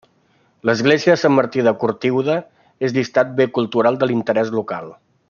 L'església Sant Martí de Cortiuda és llistat bé cultural d'interès local.